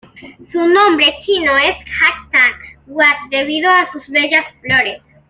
Su nombre chino es hai tang hua debido a sus bellas flores.